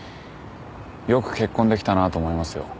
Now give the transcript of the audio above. よく結婚できたなと思いますよ。